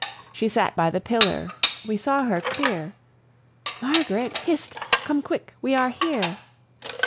She sate by the pillar; we saw her clear: "Margaret, hist! come quick, we are here!